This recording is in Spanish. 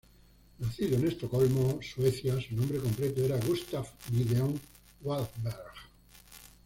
Nacido en Estocolmo, Suecia, su nombre completo era Gustaf Gideon Wahlberg.